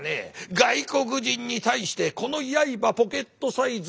外国人に対してこの刃ポケットサイズ